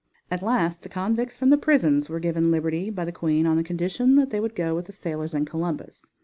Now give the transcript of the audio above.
At last the convicts from the prisons were given liberty by the queen on condition that they would go with the sailors and Columbus.